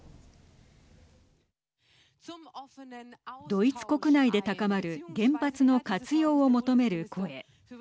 ドイツ国内で高まる原発の活用を求める声。